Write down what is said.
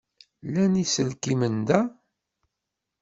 Llan yiselkimen da.